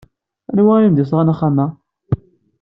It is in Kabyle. Anwa ay am-d-yesɣan axxam-a?